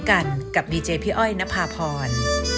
กันกับดีเจพี่อ้อยนภาพร